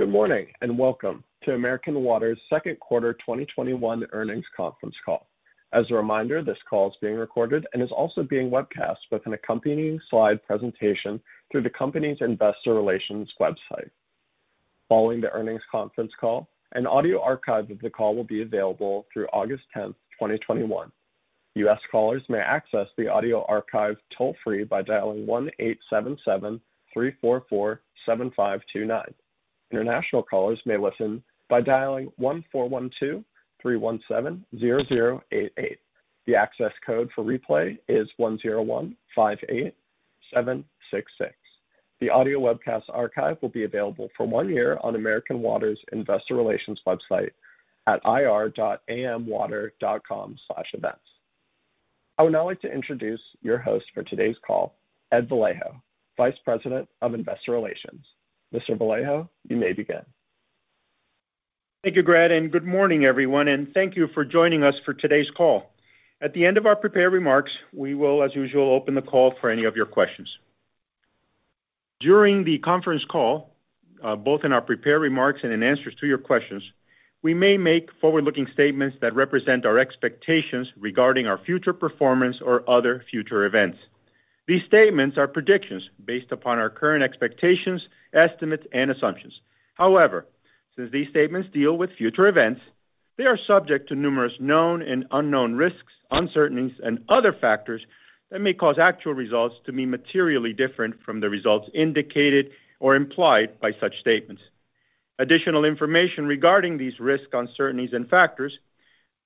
Good morning, and welcome to American Water's Q2 2021 earnings conference call. As a reminder, this call is being recorded and is also being webcast with an accompanying slide presentation through the company's investor relations website. Following the earnings conference call, an audio archive of the call will be available through August 10, 2021. U.S. callers may access the audio archive toll-free by dialing 1-877-344-7529. International callers may listen by dialing 1-412-317-0088. The access code for replay is 10158766. The audio webcast archive will be available for one year on American Water's investor relations website at ir.amwater.com/events. I would now like to introduce your host for today's call, Edward Vallejo, Vice President of Investor Relations. Mr. Vallejo, you may begin. Thank you, Brad, and good morning, everyone, and thank you for joining us for today's call. At the end of our prepared remarks, we will, as usual, open the call for any of your questions. During the conference call, both in our prepared remarks and in answers to your questions, we may make forward-looking statements that represent our expectations regarding our future performance or other future events. These statements are predictions based upon our current expectations, estimates, and assumptions. However, since these statements deal with future events, they are subject to numerous known and unknown risks, uncertainties, and other factors that may cause actual results to be materially different from the results indicated or implied by such statements. Additional information regarding these risks, uncertainties, and factors,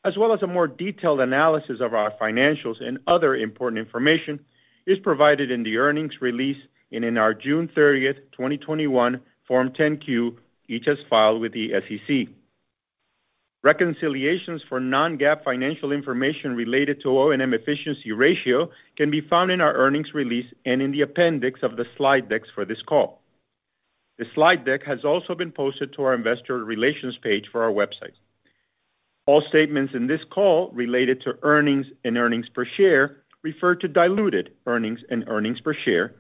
as well as a more detailed analysis of our financials and other important information, is provided in the earnings release and in our June 30, 2021, Form 10-Q, each as filed with the SEC. Reconciliations for non-GAAP financial information related to O&M efficiency ratio can be found in our earnings release and in the appendix of the slide decks for this call. The slide deck has also been posted to our investor relations page for our website. All statements in this call related to earnings and earnings per share refer to diluted earnings and earnings per share.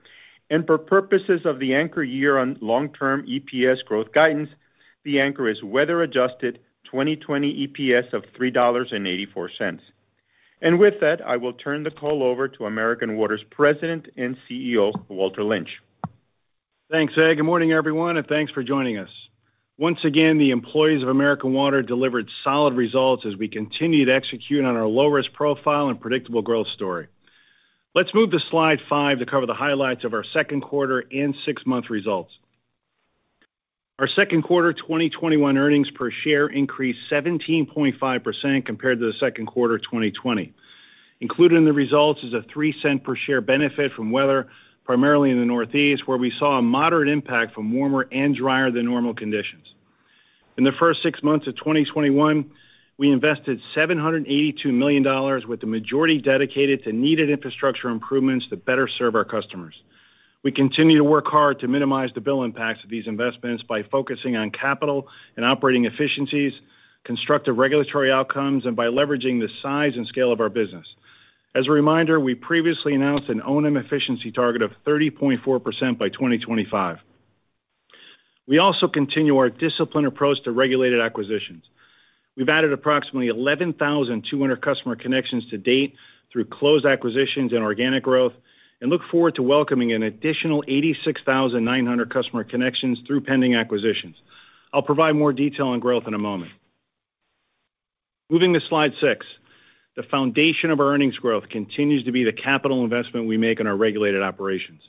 For purposes of the anchor year on long-term EPS growth guidance, the anchor is weather-adjusted 2020 EPS of $3.84. With that, I will turn the call over to American Water's President and CEO, Walter Lynch. Thanks, Ed. Good morning, everyone, and thanks for joining us. Once again, the employees of American Water delivered solid results as we continue to execute on our low-risk profile and predictable growth story. Let's move to slide five to cover the highlights of our Q2 and 6-month results. Our Q2 2021 earnings per share increased 17.5% compared to the Q2 2020. Included in the results is a $0.03 per share benefit from weather, primarily in the Northeast, where we saw a moderate impact from warmer and drier than normal conditions. In the first 6 months of 2021, we invested $782 million, with the majority dedicated to needed infrastructure improvements to better serve our customers. We continue to work hard to minimize the bill impacts of these investments by focusing on capital and operating efficiencies, constructive regulatory outcomes, and by leveraging the size and scale of our business. As a reminder, we previously announced an O&M efficiency target of 30.4% by 2025. We also continue our disciplined approach to regulated acquisitions. We've added approximately 11,200 customer connections to date through closed acquisitions and organic growth and look forward to welcoming an additional 86,900 customer connections through pending acquisitions. I'll provide more detail on growth in a moment. Moving to slide 6. The foundation of our earnings growth continues to be the capital investment we make in our regulated operations.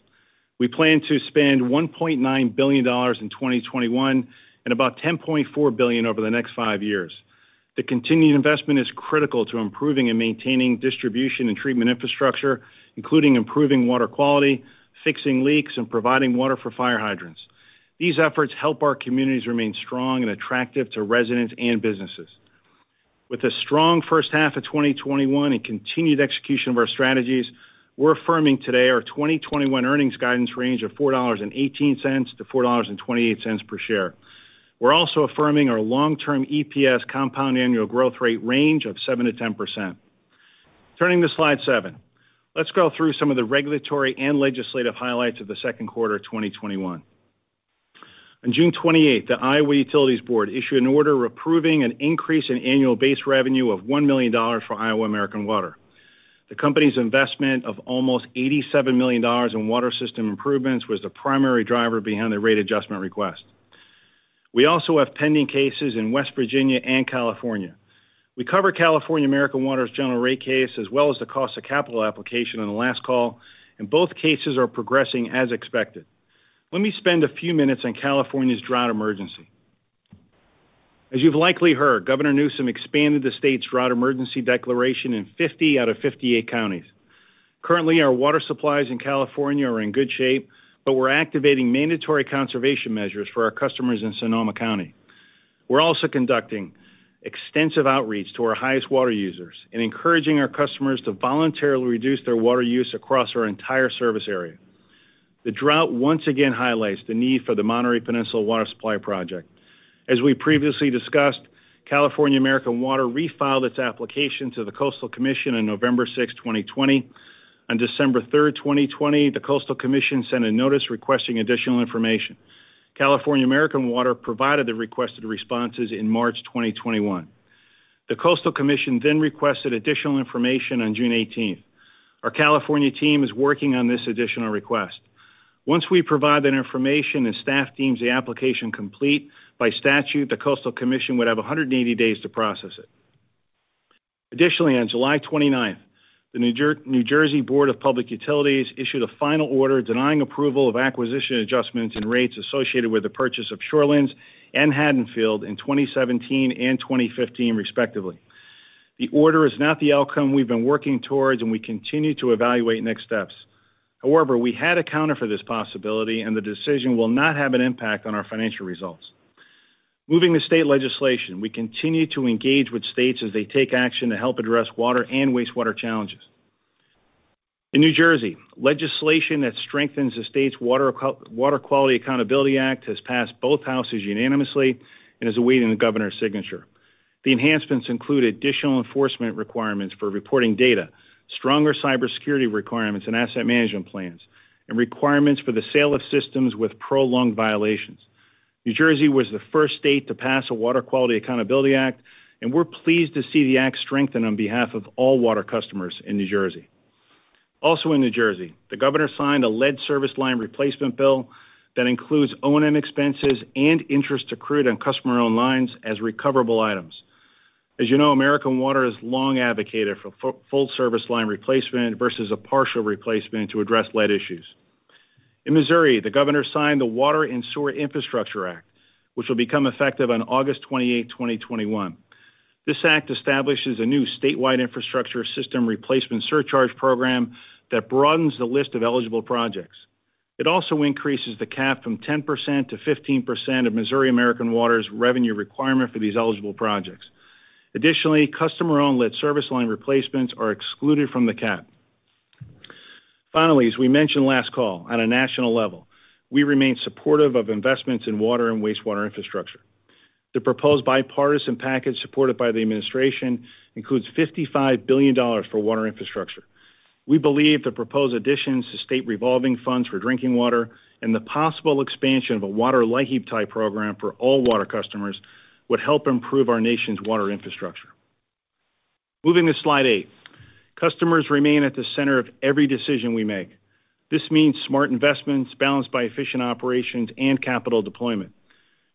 We plan to spend $1.9 billion in 2021 and about $10.4 billion over the next five years. The continued investment is critical to improving and maintaining distribution and treatment infrastructure, including improving water quality, fixing leaks, and providing water for fire hydrants. These efforts help our communities remain strong and attractive to residents and businesses. With a strong first half of 2021 and continued execution of our strategies, we're affirming today our 2021 earnings guidance range of $4.18-$4.28 per share. We're also affirming our long-term EPS compound annual growth rate range of 7%-10%. Turning to slide seven. Let's go through some of the regulatory and legislative highlights of the Q2 2021. On June 28th, the Iowa Utilities Board issued an order approving an increase in annual base revenue of $1 million for Iowa American Water. The company's investment of almost $87 million in water system improvements was the primary driver behind the rate adjustment request. We also have pending cases in West Virginia and California. We covered California American Water's general rate case as well as the cost of capital application on the last call, and both cases are progressing as expected. Let me spend a few minutes on California's drought emergency. As you've likely heard, Governor Newsom expanded the state's drought emergency declaration in 50 out of 58 counties. Currently, our water supplies in California are in good shape, but we're activating mandatory conservation measures for our customers in Sonoma County. We're also conducting extensive outreach to our highest water users and encouraging our customers to voluntarily reduce their water use across our entire service area. The drought once again highlights the need for the Monterey Peninsula Water Supply Project. As we previously discussed, California American Water refiled its application to the Coastal Commission on November 6, 2020. On December 3rd, 2020, the Coastal Commission sent a notice requesting additional information. California American Water provided the requested responses in March 2021. The Coastal Commission requested additional information on June 18th. Our California team is working on this additional request. Once we provide that information and staff deems the application complete, by statute, the Coastal Commission would have 180 days to process it. Additionally, on July 29th, the New Jersey Board of Public Utilities issued a final order denying approval of acquisition adjustments and rates associated with the purchase of Shorelands and Haddonfield in 2017 and 2015 respectively. The order is not the outcome we've been working towards, and we continue to evaluate next steps. However, we had accounted for this possibility, and the decision will not have an impact on our financial results. Moving to state legislation, we continue to engage with states as they take action to help address water and wastewater challenges. In New Jersey, legislation that strengthens the state's Water Quality Accountability Act has passed both houses unanimously and is awaiting the Governor's signature. The enhancements include additional enforcement requirements for reporting data, stronger cybersecurity requirements and asset management plans, and requirements for the sale of systems with prolonged violations. New Jersey was the first state to pass a Water Quality Accountability Act, and we're pleased to see the act strengthen on behalf of all water customers in New Jersey. In New Jersey, the Governor signed a lead service line replacement bill that includes O&M expenses and interest accrued on customer-owned lines as recoverable items. As you know, American Water has long advocated for full service line replacement versus a partial replacement to address lead issues. In Missouri, the governor signed the Water and Sewer Infrastructure Act, which will become effective on August 28th, 2021. This act establishes a new statewide infrastructure system replacement surcharge program that broadens the list of eligible projects. It also increases the cap from 10%-15% of Missouri American Water's revenue requirement for these eligible projects. Customer-owned lead service line replacements are excluded from the cap. As we mentioned last call, on a national level, we remain supportive of investments in water and wastewater infrastructure. The proposed bipartisan package supported by the administration includes $55 billion for water infrastructure. We believe the proposed additions to state revolving funds for drinking water and the possible expansion of a water LIHEAP-type program for all water customers would help improve our nation's water infrastructure. Moving to slide eight. Customers remain at the center of every decision we make. This means smart investments balanced by efficient operations and capital deployment.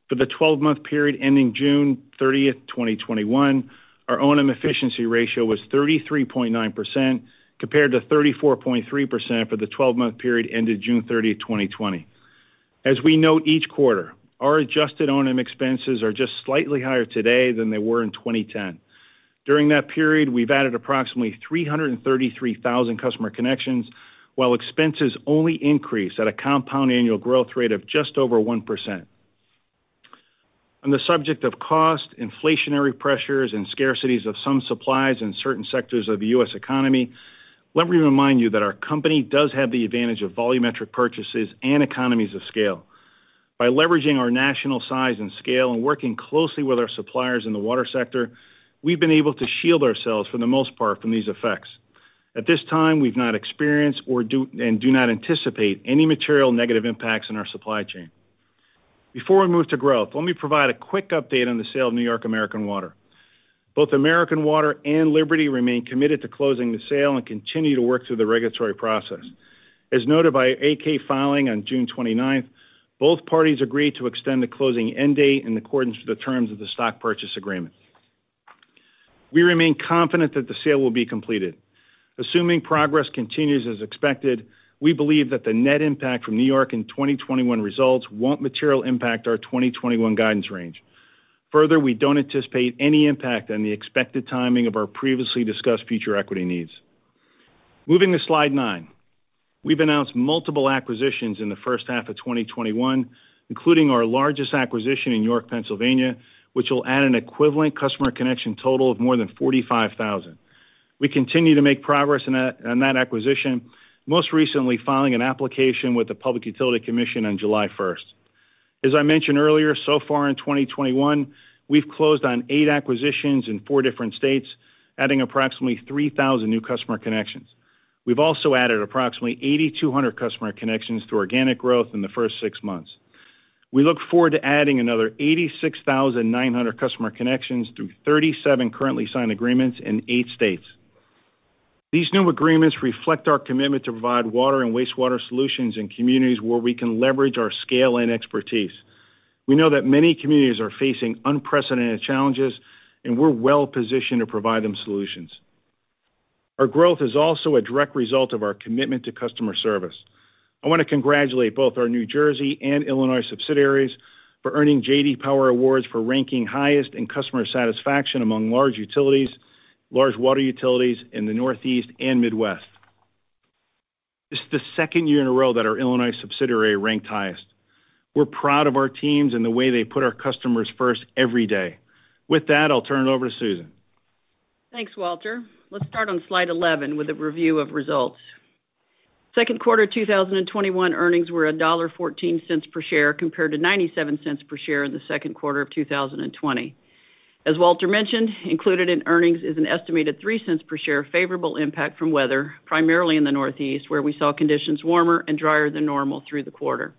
For the 12-month period ending June 30th, 2021, our O&M efficiency ratio was 33.9%, compared to 34.3% for the 12-month period ended June 30, 2020. As we note each quarter, our adjusted O&M expenses are just slightly higher today than they were in 2010. During that period, we've added approximately 333,000 customer connections while expenses only increased at a compound annual growth rate of just over 1%. On the subject of cost, inflationary pressures, and scarcities of some supplies in certain sectors of the U.S. economy, let me remind you that our company does have the advantage of volumetric purchases and economies of scale. By leveraging our national size and scale and working closely with our suppliers in the water sector, we've been able to shield ourselves for the most part from these effects. At this time, we've not experienced and do not anticipate any material negative impacts on our supply chain. Before we move to growth, let me provide a quick update on the sale of New York American Water. Both American Water and Liberty remain committed to closing the sale and continue to work through the regulatory process. As noted by an 8-K filing on June 29th, both parties agreed to extend the closing end date in accordance with the terms of the stock purchase agreement. We remain confident that the sale will be completed. Assuming progress continues as expected, we believe that the net impact from New York in 2021 results won't material impact our 2021 guidance range. Further, we don't anticipate any impact on the expected timing of our previously discussed future equity needs. Moving to slide nine. We've announced multiple acquisitions in the first half of 2021, including our largest acquisition in York, Pennsylvania, which will add an equivalent customer connection total of more than 45,000. We continue to make progress on that acquisition, most recently filing an application with the Public Utility Commission on July 1st. As I mentioned earlier, so far in 2021, we've closed on eight acquisitions in four different states, adding approximately 3,000 new customer connections. We've also added approximately 8,200 customer connections through organic growth in the first six months. We look forward to adding another 86,900 customer connections through 37 currently signed agreements in 8 states. These new agreements reflect our commitment to provide water and wastewater solutions in communities where we can leverage our scale and expertise. We know that many communities are facing unprecedented challenges, and we're well-positioned to provide them solutions. Our growth is also a direct result of our commitment to customer service. I want to congratulate both our New Jersey and Illinois subsidiaries for earning J.D. Power awards for ranking highest in customer satisfaction among large water utilities in the Northeast and Midwest. This is the second year in a row that our Illinois subsidiary ranked highest. We're proud of our teams and the way they put our customers first every day. With that, I'll turn it over to Susan. Thanks, Walter. Let's start on slide 11 with a review of results. Q2 2021 earnings were $1.14 per share compared to $0.97 per share in the Q2 of 2020. As Walter mentioned, included in earnings is an estimated $0.03 per share favorable impact from weather, primarily in the Northeast, where we saw conditions warmer and drier than normal through the quarter.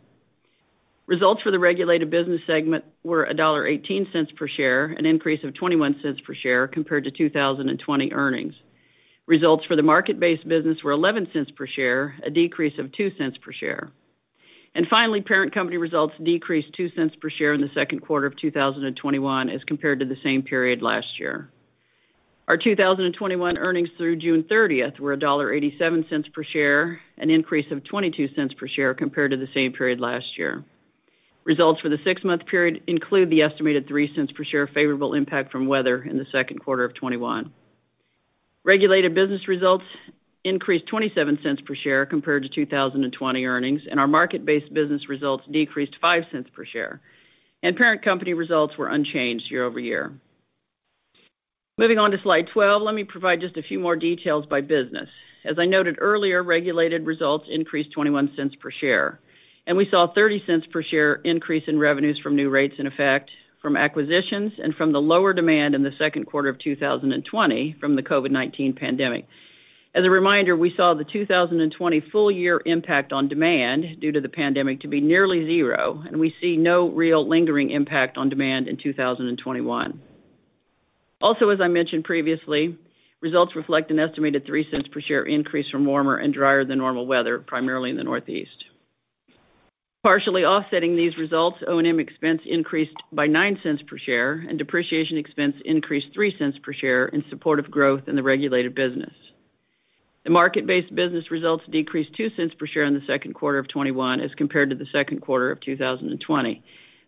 Results for the regulated business segment were $1.18 per share, an increase of $0.21 per share compared to 2020 earnings. Results for the market-based business were $0.11 per share, a decrease of $0.02 per share. Finally, parent company results decreased $0.02 per share in the Q2 of 2021 as compared to the same period last year. Our 2021 earnings through June 30th were $1.87 per share, an increase of $0.22 per share compared to the same period last year. Results for the six-month period include the estimated $0.03 per share favorable impact from weather in the Q2 of 2021. Regulated business results increased $0.27 per share compared to 2020 earnings. Our market-based business results decreased $0.05 per share. Parent company results were unchanged year-over-year. Moving on to slide 12, let me provide just a few more details by business. As I noted earlier, regulated results increased $0.21 per share. We saw $0.30 per share increase in revenues from new rates in effect from acquisitions and from the lower demand in the Q2 of 2020 from the COVID-19 pandemic. As a reminder, we saw the 2020 full year impact on demand due to the pandemic to be nearly zero. We see no real lingering impact on demand in 2021. Also, as I mentioned previously, results reflect an estimated $0.03 per share increase from warmer and drier than normal weather, primarily in the Northeast. Partially offsetting these results, O&M expense increased by $0.09 per share, and depreciation expense increased $0.03 per share in support of growth in the regulated business. The market-based business results decreased $0.02 per share in the Q2 of 2021 as compared to the Q2 of 2020.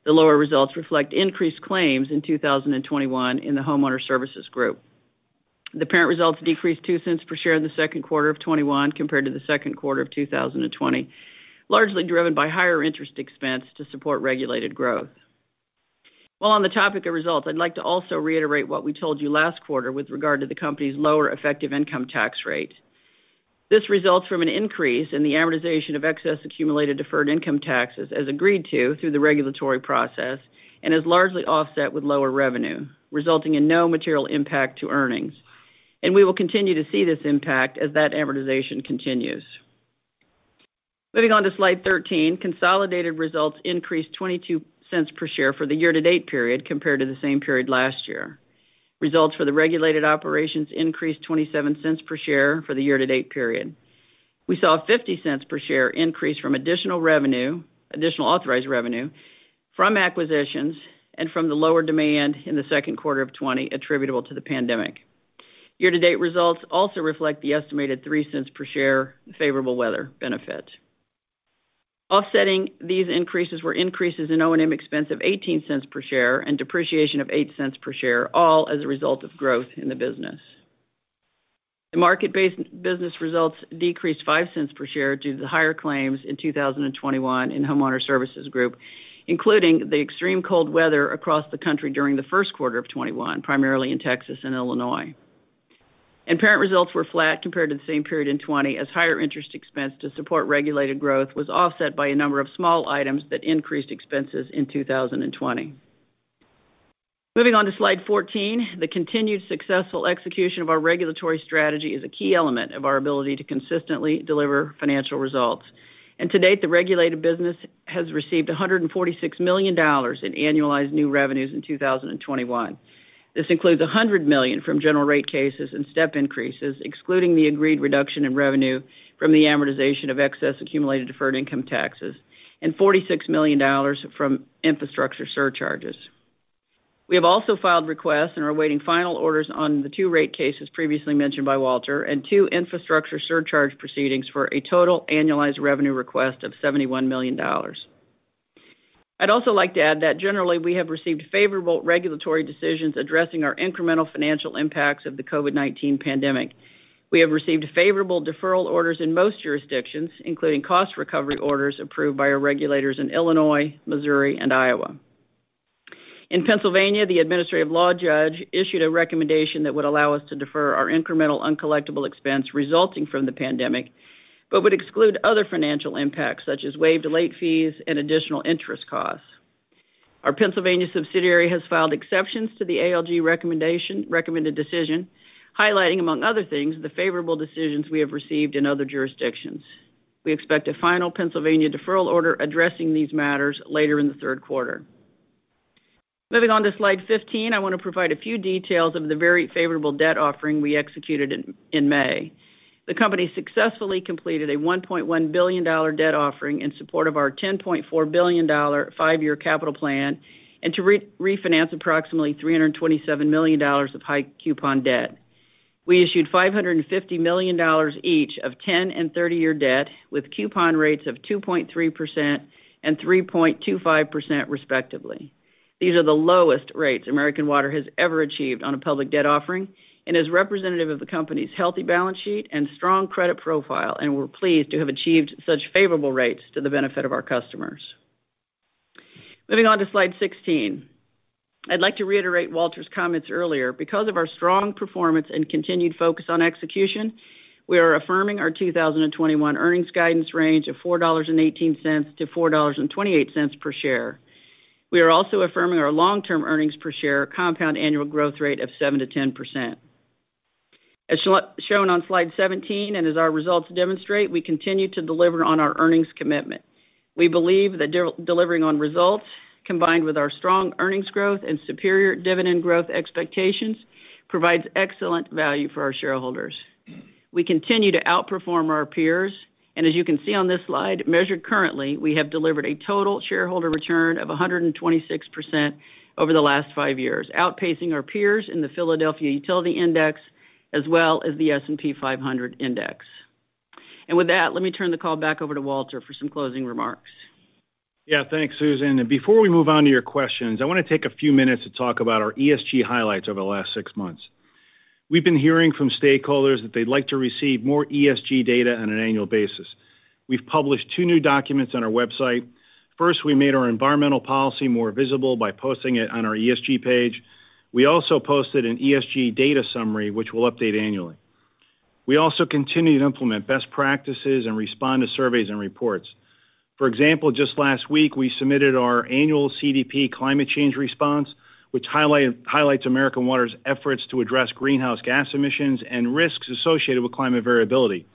The lower results reflect increased claims in 2021 in the Homeowner Services Group. The parent results decreased $0.02 per share in the Q2 of 2021 compared to the Q2 of 2020, largely driven by higher interest expense to support regulated growth. While on the topic of results, I'd like to also reiterate what we told you last quarter with regard to the company's lower effective income tax rate. This results from an increase in the amortization of excess accumulated deferred income taxes as agreed to through the regulatory process and is largely offset with lower revenue, resulting in no material impact to earnings. We will continue to see this impact as that amortization continues. Moving on to slide 13, consolidated results increased $0.22 per share for the year-to-date period compared to the same period last year. Results for the regulated operations increased $0.27 per share for the year-to-date period. We saw a $0.50 per share increase from additional authorized revenue from acquisitions and from the lower demand in the Q2 of 2020 attributable to the pandemic. Year-to-date results also reflect the estimated $0.03 per share favorable weather benefit. Offsetting these increases were increases in O&M expense of $0.18 per share and depreciation of $0.08 per share, all as a result of growth in the business. The market-based business results decreased $0.05 per share due to the higher claims in 2021 in Homeowner Services Group, including the extreme cold weather across the country during the first quarter of 2021, primarily in Texas and Illinois. Parent results were flat compared to the same period in 2020 as higher interest expense to support regulated growth was offset by a number of small items that increased expenses in 2020. Moving on to slide 14, the continued successful execution of our regulatory strategy is a key element of our ability to consistently deliver financial results. To date, the regulated business has received $146 million in annualized new revenues in 2021. This includes $100 million from general rate cases and step increases, excluding the agreed reduction in revenue from the amortization of excess accumulated deferred income taxes, and $46 million from infrastructure surcharges. We have also filed requests and are awaiting final orders on the two rate cases previously mentioned by Walter and 2 Infrastructure Surcharge proceedings for a total annualized revenue request of $71 million. I'd also like to add that generally we have received favorable regulatory decisions addressing our incremental financial impacts of the COVID-19 pandemic. We have received favorable deferral orders in most jurisdictions, including cost recovery orders approved by our regulators in Illinois, Missouri, and Iowa. In Pennsylvania, the administrative law judge issued a recommendation that would allow us to defer our incremental uncollectible expense resulting from the pandemic, but would exclude other financial impacts such as waived late fees and additional interest costs. Our Pennsylvania subsidiary has filed exceptions to the ALJ recommended decision, highlighting, among other things, the favorable decisions we have received in other jurisdictions. We expect a final Pennsylvania deferral order addressing these matters later in the third quarter. Moving on to slide 15, I want to provide a few details of the very favorable debt offering we executed in May. The company successfully completed a $1.1 billion debt offering in support of our $10.4 billion five-year capital plan and to refinance approximately $327 million of high coupon debt. We issued $550 million each of 10- and 30-year debt with coupon rates of 2.3% and 3.25% respectively. These are the lowest rates American Water has ever achieved on a public debt offering and is representative of the company's healthy balance sheet and strong credit profile, and we're pleased to have achieved such favorable rates to the benefit of our customers. Moving on to slide 16. I'd like to reiterate Walter's comments earlier. Because of our strong performance and continued focus on execution, we are affirming our 2021 earnings guidance range of $4.18-$4.28 per share. We are also affirming our long-term earnings per share compound annual growth rate of 7%-10%. As shown on slide 17, as our results demonstrate, we continue to deliver on our earnings commitment. We believe that delivering on results, combined with our strong earnings growth and superior dividend growth expectations, provides excellent value for our shareholders. We continue to outperform our peers, as you can see on this slide, measured currently, we have delivered a total shareholder return of 126% over the last five years, outpacing our peers in the PHLX Utility Sector Index as well as the S&P 500 Index. With that, let me turn the call back over to Walter for some closing remarks. Yeah. Thanks, Susan. Before we move on to your questions, I want to take a few minutes to talk about our ESG highlights over the last six months. We've been hearing from stakeholders that they'd like to receive more ESG data on an annual basis. We've published two new documents on our website. First, we made our environmental policy more visible by posting it on our ESG page. We also posted an ESG data summary, which we'll update annually. We also continue to implement best practices and respond to surveys and reports. For example, just last week, we submitted our annual CDP climate change response, which highlights American Water's efforts to address greenhouse gas emissions and risks associated with climate variability.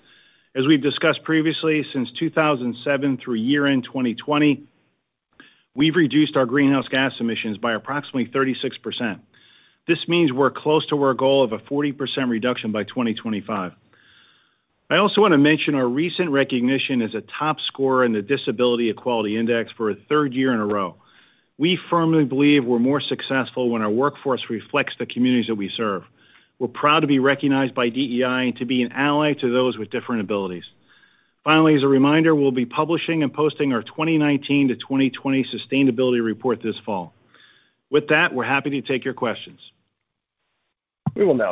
As we've discussed previously, since 2007 through year-end 2020, we've reduced our greenhouse gas emissions by approximately 36%. This means we're close to our goal of a 40% reduction by 2025. I also want to mention our recent recognition as a top scorer in the Disability Equality Index for a third year in a row. We firmly believe we're more successful when our workforce reflects the communities that we serve. We're proud to be recognized by DEI and to be an ally to those with different abilities. Finally, as a reminder, we'll be publishing and posting our 2019 to 2020 sustainability report this fall. With that, we're happy to take your questions. Our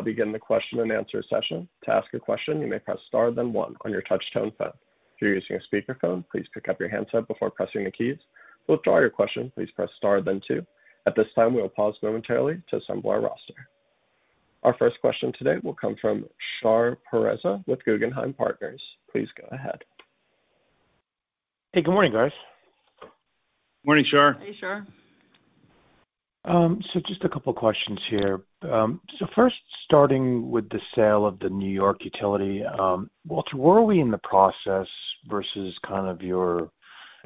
first question today will come from Shar Pourreza with Guggenheim Partners. Please go ahead. Hey, good morning, guys. Morning, Shar. Hey, Shar. Just a couple questions here. First, starting with the sale of the New York utility, Walter, where are we in the process versus your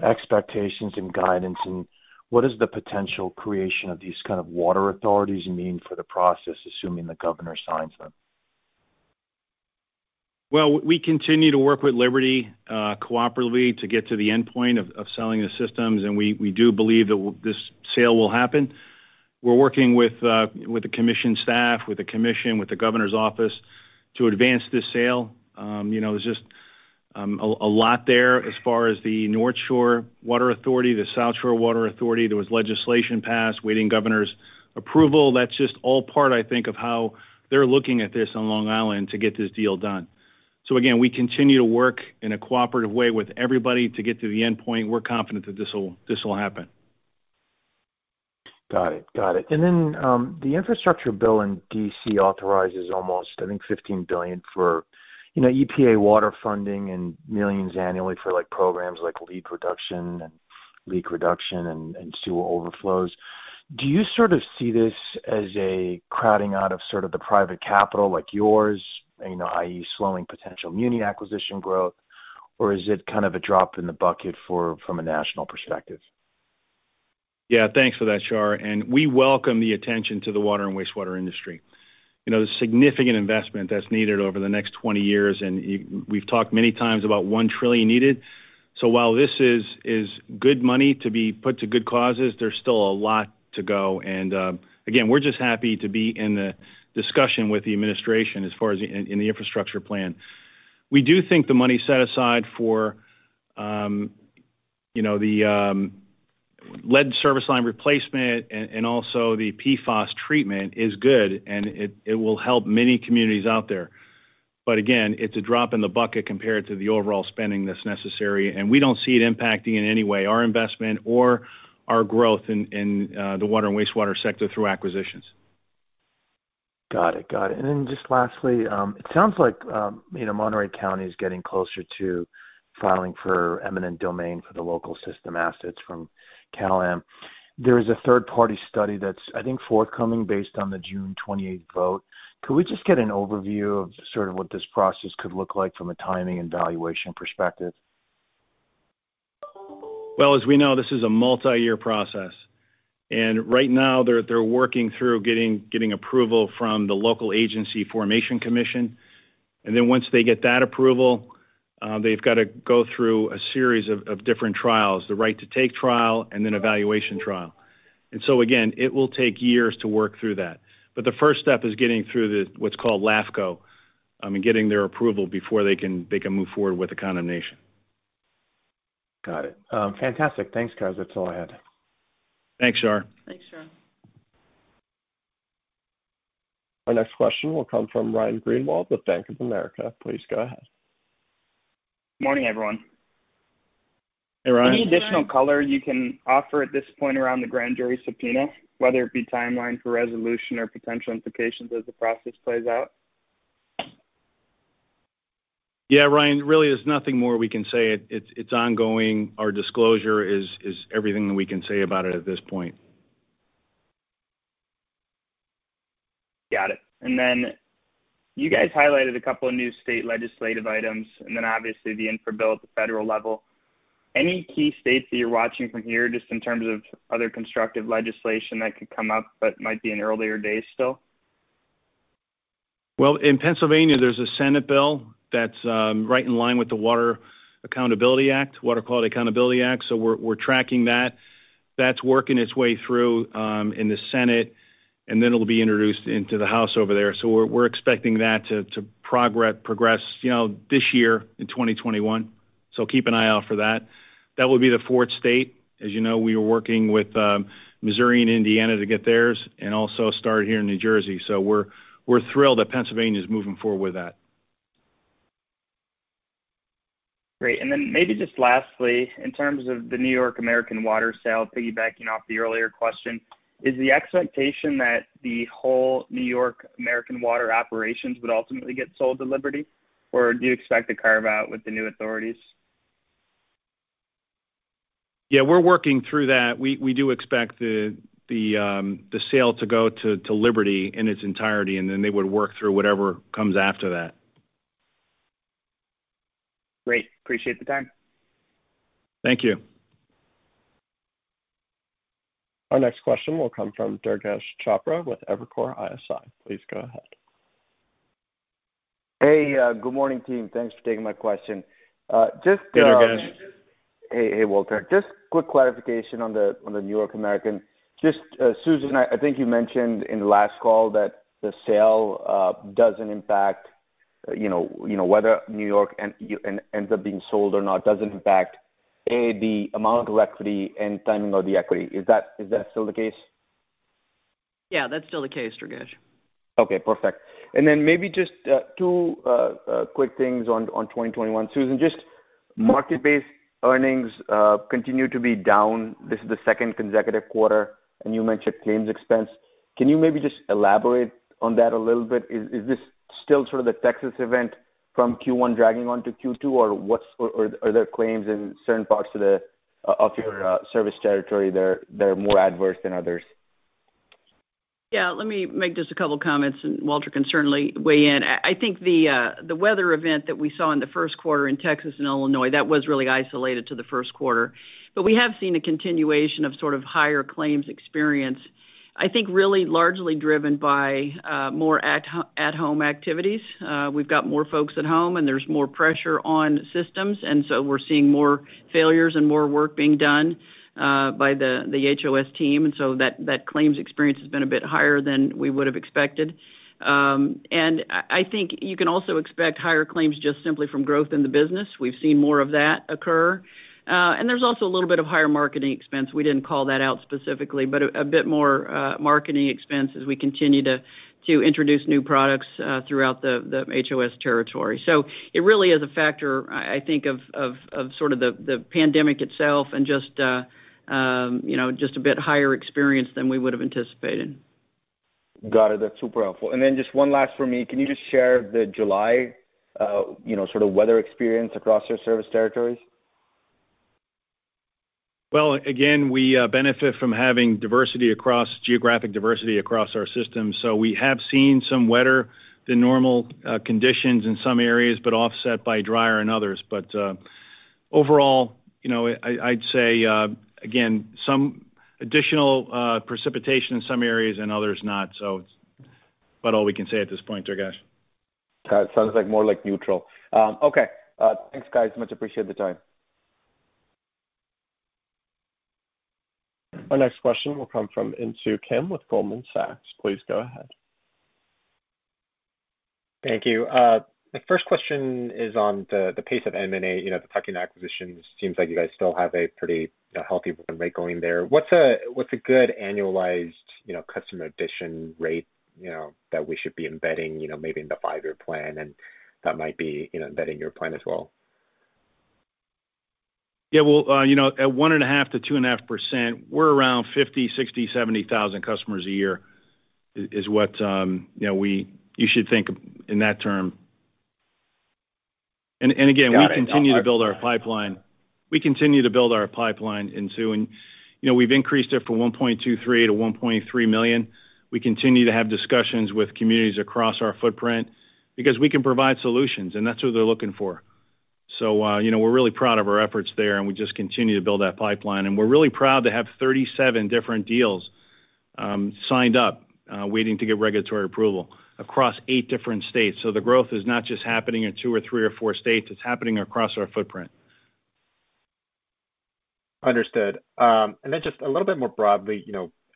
expectations and guidance, and what is the potential creation of these kind of water authorities mean for the process, assuming the Governor signs them? Well, we continue to work with Liberty cooperatively to get to the endpoint of selling the systems. We do believe that this sale will happen. We're working with the commission staff, with the commission, with the governor's office to advance this sale. There's just a lot there as far as the North Shore Water Authority, the South Shore Water Authority. There was legislation passed awaiting governor's approval. That's just all part, I think, of how they're looking at this on Long Island to get this deal done. Again, we continue to work in a cooperative way with everybody to get to the endpoint. We're confident that this will happen. Got it. The infrastructure bill in D.C. authorizes almost, I think, $15 billion for EPA water funding and $ millions annually for programs like leak production and leak reduction and sewer overflows. Do you sort of see this as a crowding out of sort of the private capital like yours, i.e. slowing potential muni acquisition growth, or is it kind of a drop in the bucket from a national perspective? Yeah. Thanks for that, Shar. We welcome the attention to the water and wastewater industry. The significant investment that's needed over the next 20 years, and we've talked many times about $1 trillion needed. While this is good money to be put to good causes, there's still a lot to go, and, again, we're just happy to be in the discussion with the administration as far as in the infrastructure plan. We do think the money set aside for the lead service line replacement and also the PFAS treatment is good, and it will help many communities out there. Again, it's a drop in the bucket compared to the overall spending that's necessary, and we don't see it impacting in any way our investment or our growth in the water and wastewater sector through acquisitions. Got it. Just lastly, it sounds like Monterey County is getting closer to filing for eminent domain for the local system assets from Cal Am. There is a third-party study that's, I think, forthcoming based on the June 28th vote. Could we just get an overview of sort of what this process could look like from a timing and valuation perspective? Well, as we know, this is a multi-year process. Right now they're working through getting approval from the Local Agency Formation Commission. Once they get that approval, they've got to go through a series of different trials, the right to take trial and then evaluation trial. Again, it will take years to work through that. The first step is getting through what's called LAFCO, and getting their approval before they can move forward with the condemnation. Got it. Fantastic. Thanks, guys. That's all I had. Thanks, Shar. Thanks, Shar. Our next question will come from Ryan Greenwald with Bank of America. Please go ahead. Morning, everyone. Hey, Ryan. Any additional color you can offer at this point around the grand jury subpoena, whether it be timeline for resolution or potential implications as the process plays out? Yeah, Ryan, really there is nothing more we can say. It is ongoing. Our disclosure is everything that we can say about it at this point. Got it. You guys highlighted two new state legislative items, obviously the infra bill at the federal level. Any key states that you're watching from here, just in terms of other constructive legislation that could come up but might be in earlier days still? Well, in Pennsylvania, there's a Senate bill that's right in line with the Water Quality Accountability Act. We're tracking that. That's working its way through in the Senate, and then it'll be introduced into the House over there. We're expecting that to progress this year in 2021. Keep an eye out for that. That would be the 4th state. As you know, we were working with Missouri and Indiana to get theirs and also started here in New Jersey. We're thrilled that Pennsylvania is moving forward with that. Great. Then maybe just lastly, in terms of the New York American Water sale, piggybacking off the earlier question, is the expectation that the whole New York American Water operations would ultimately get sold to Liberty? Or do you expect to carve out with the new authorities? Yeah, we're working through that. We do expect the sale to go to Liberty in its entirety, and then they would work through whatever comes after that. Great. Appreciate the time. Thank you. Our next question will come from Durgesh Chopra with Evercore ISI. Please go ahead. Hey, good morning team. Thanks for taking my question. Hey, Durgesh. Hey, Walter. Just quick clarification on the New York American. Susan, I think you mentioned in the last call that the sale doesn't impact whether New York ends up being sold or not, doesn't impact, A, the amount of equity and timing of the equity. Is that still the case? Yeah, that's still the case, Durgesh. Okay, perfect. Then maybe just two quick things on 2021. Susan, just market-based earnings continue to be down. This is the second consecutive quarter, and you mentioned claims expense. Can you maybe just elaborate on that a little bit? Is this still sort of the Texas event from Q1 dragging on to Q2, or are there claims in certain parts of your service territory that are more adverse than others? Yeah, let me make just a couple of comments, and Walter can certainly weigh in. I think the weather event that we saw in the first quarter in Texas and Illinois, that was really isolated to the first quarter. We have seen a continuation of higher claims experience, I think really largely driven by more at-home activities. We've got more folks at home, and there's more pressure on systems, and so we're seeing more failures and more work being done by the HOS team. That claims experience has been a bit higher than we would have expected. I think you can also expect higher claims just simply from growth in the business. We've seen more of that occur. There's also a little bit of higher marketing expense. We didn't call that out specifically, but a bit more marketing expense as we continue to introduce new products throughout the HOS territory. It really is a factor, I think, of the pandemic itself and just a bit higher experience than we would have anticipated. Got it. That's super helpful. Just one last from me. Can you just share the July weather experience across your service territories? Well, again, we benefit from having geographic diversity across our systems. We have seen some wetter than normal conditions in some areas, but offset by drier in others. Overall, I'd say, again, some additional precipitation in some areas and others not. It's about all we can say at this point, Durgesh. Got it. Sounds more like neutral. Okay. Thanks, guys. Much appreciate the time. Our next question will come from Insoo Kim with Goldman Sachs. Please go ahead. Thank you. The first question is on the pace of M&A, the tuck-in acquisitions. Seems like you guys still have a pretty healthy run rate going there. What's a good annualized customer addition rate that we should be embedding, maybe in the five-year plan and that might be embedding your plan as well? Yeah. Well, at 1.5%-2.5%, we're around 50,000, 60,000, 70,000 customers a year is what you should think of in that term. Got it. We continue to build our pipeline. We continue to build our pipeline, Insoo, and we've increased it from 1.23-1.3 million. We continue to have discussions with communities across our footprint because we can provide solutions, and that's what they're looking for. We're really proud of our efforts there, and we just continue to build that pipeline. We're really proud to have 37 different deals signed up, waiting to get regulatory approval across eight different states. The growth is not just happening in two or three or four states, it's happening across our footprint. Understood. Then just a little bit more broadly,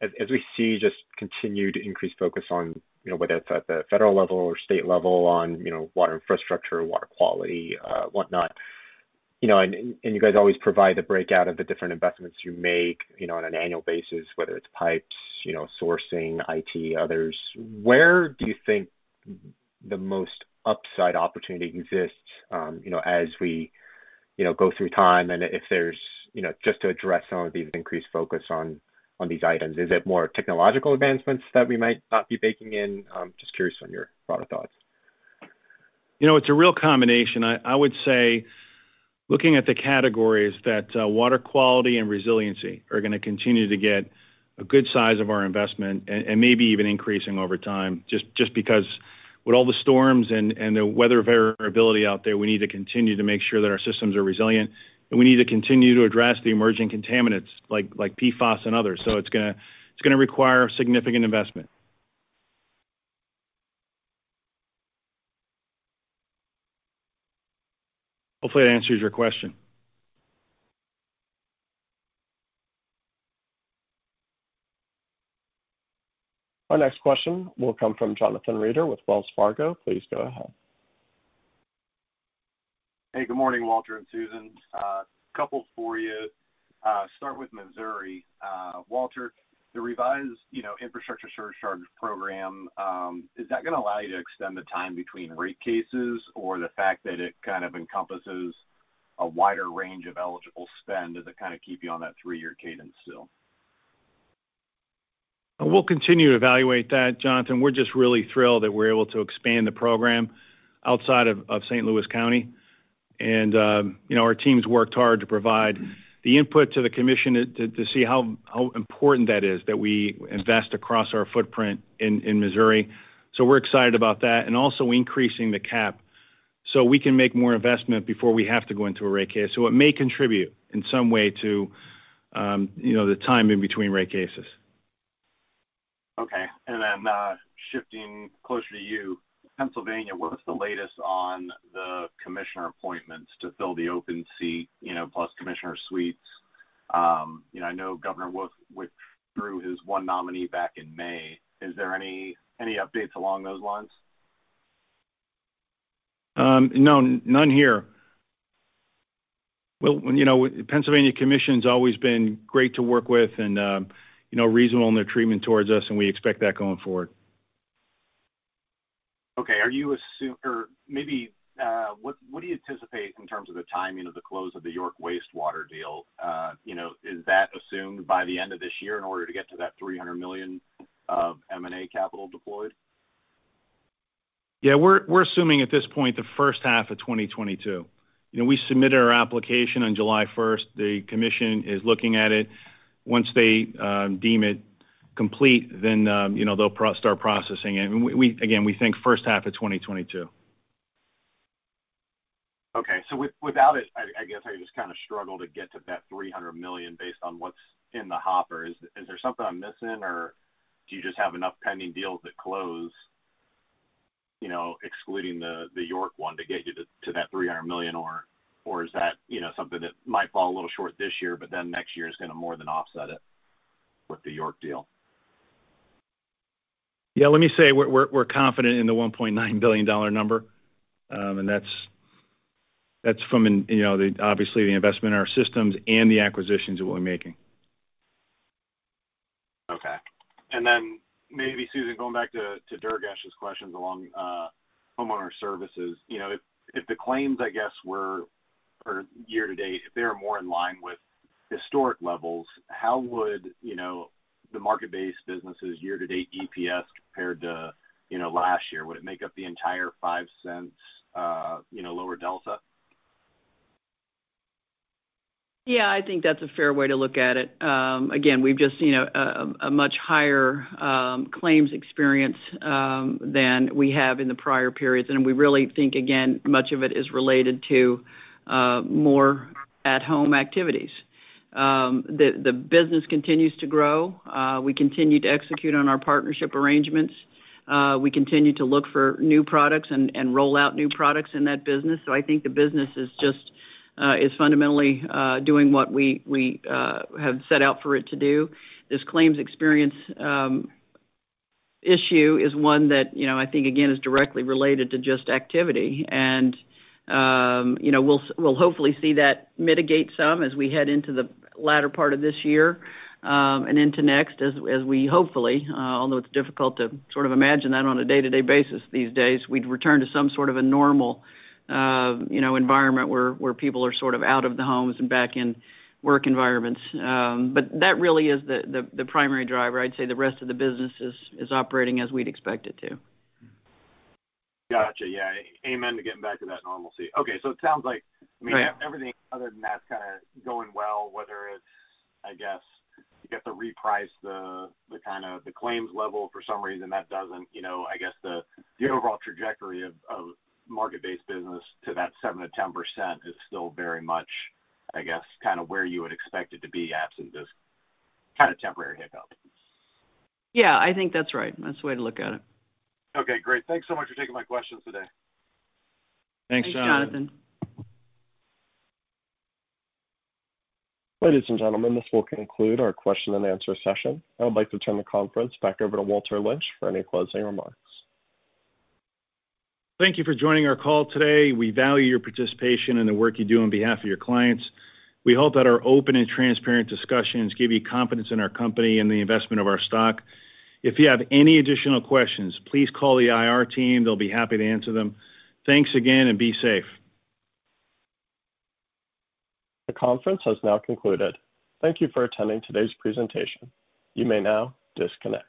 as we see just continued increased focus on, whether it's at the federal level or state level on water infrastructure, water quality, whatnot. You guys always provide the breakout of the different investments you make on an annual basis, whether it's pipes, sourcing, IT, others. Where do you think the most upside opportunity exists as we go through time? Just to address some of the increased focus on these items. Is it more technological advancements that we might not be baking in? I'm just curious on your broader thoughts. It's a real combination. I would say, looking at the categories, that water quality and resiliency are going to continue to get a good size of our investment, and maybe even increasing over time, just because with all the storms and the weather variability out there, we need to continue to make sure that our systems are resilient, and we need to continue to address the emerging contaminants like PFAS and others. It's going to require significant investment. Hopefully, that answers your question. Our next question will come from Jonathan Reeder with Wells Fargo. Please go ahead. Hey, good morning, Walter and Susan. A couple for you. Start with Missouri. Walter, the revised Infrastructure Surcharge Program, is that going to allow you to extend the time between rate cases, or the fact that it kind of encompasses a wider range of eligible spend? Does it kind of keep you on that three-year cadence still? We'll continue to evaluate that, Jonathan. We're just really thrilled that we're able to expand the program outside of St. Louis County. Our team's worked hard to provide the input to the commission to see how important that is that we invest across our footprint in Missouri. We're excited about that. Also increasing the cap so we can make more investment before we have to go into a rate case. It may contribute in some way to the time in between rate cases. Okay. Shifting closer to you, Pennsylvania, what is the latest on the commissioner appointments to fill the open seat, plus David Sweet's, I know Tom Wolf withdrew his one nominee back in May. Is there any updates along those lines? No, none here. Well, Pennsylvania Commission's always been great to work with and reasonable in their treatment towards us. We expect that going forward. Okay. What do you anticipate in terms of the timing of the close of the York wastewater deal? Is that assumed by the end of this year in order to get to that $300 million of M&A capital deployed? Yeah, we're assuming at this point the first half of 2022. We submitted our application on July 1st. The commission is looking at it. Once they deem it complete, they'll start processing it. Again, we think first half of 2022. Okay. Without it, I guess I just kind of struggle to get to that $300 million based on what's in the hopper. Is there something I'm missing, or do you just have enough pending deals that close excluding the York one to get you to that $300 million, or is that something that might fall a little short this year, but then next year is going to more than offset it with the York deal? Yeah, let me say we're confident in the $1.9 billion number, and that's from obviously the investment in our systems and the acquisitions that we're making. Okay. Maybe Susan, going back to Durgesh's questions along homeowner services. If the claims, I guess, were for year-to-date, if they were more in line with historic levels, how would the market-based businesses year-to-date EPS compared to last year? Would it make up the entire $0.05 lower delta? Yeah, I think that's a fair way to look at it. Again, we've just seen a much higher claims experience than we have in the prior periods, and we really think, again, much of it is related to more at-home activities. The business continues to grow. We continue to execute on our partnership arrangements. We continue to look for new products and roll out new products in that business. I think the business is fundamentally doing what we have set out for it to do. This claims experience issue is one that I think, again, is directly related to just activity, and we'll hopefully see that mitigate some as we head into the latter part of this year and into next as we hopefully, although it's difficult to sort of imagine that on a day-to-day basis these days, we'd return to some sort of a normal environment where people are sort of out of the homes and back in work environments. That really is the primary driver. I'd say the rest of the business is operating as we'd expect it to. Got you. Yeah. Amen to getting back to that normalcy. It sounds like everything other than that's kind of going well, whether it's, I guess, you get to reprice the claims level for some reason, I guess the overall trajectory of market-based business to that 7%-10% is still very much, I guess, kind of where you would expect it to be absent this kind of temporary hiccup. Yeah, I think that's right. That's the way to look at it. Okay, great. Thanks so much for taking my questions today. Thanks, Jonathan. Thanks, Jonathan. Ladies and gentlemen, this will conclude our question and answer session. I would like to turn the conference back over to Walter Lynch for any closing remarks. Thank you for joining our call today. We value your participation and the work you do on behalf of your clients. We hope that our open and transparent discussions give you confidence in our company and the investment of our stock. If you have any additional questions, please call the IR team. They'll be happy to answer them. Thanks again, and be safe. The conference has now concluded. Thank you for attending today's presentation. You may now disconnect.